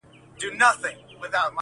له شپږو مياشتو څه درد ،درد يمه زه_